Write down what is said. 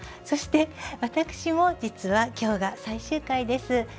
そして私も実は今日が最終回です。